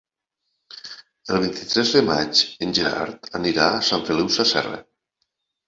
El vint-i-tres de maig en Gerard anirà a Sant Feliu Sasserra.